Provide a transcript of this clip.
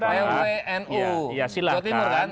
pwnu jotimur kan